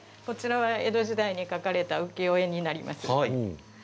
江戸時代に描かれた浮世絵になります。